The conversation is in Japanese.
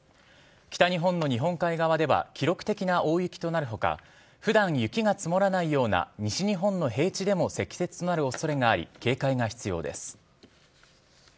北日本の日本海側では記録的な大雪となる他普段雪が積もらないような西日本の平地でも積雪となる恐れがあり警戒が必要です。